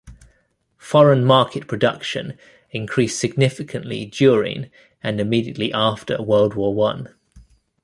Foreign market production increased significantly during and immediately after World War One.